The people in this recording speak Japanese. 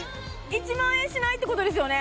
１万円しないってことですよね？